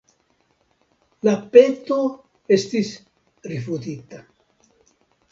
La peto estis rifuzita.